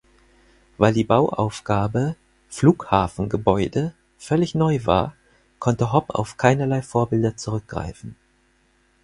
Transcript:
Weil die Bauaufgabe "Flughafengebäude" völlig neu war, konnte Hopp auf keinerlei Vorbilder zurückgreifen.